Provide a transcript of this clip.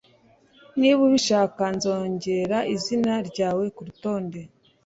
niba ubishaka, nzongera izina ryawe kurutonde